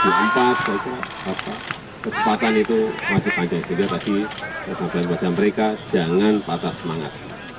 kesempatan itu masih panjang sehingga tadi kesempatan kepada mereka jangan patah semangat